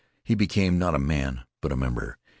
He became not a man but a member.